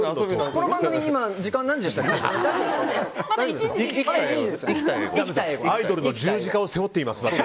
この番組、今時間何時でしたっけ？